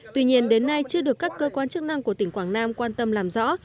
tuy nhiên đến nay chưa được các cơ quan chức năng của tỉnh quảng nam quan tâm làm rõ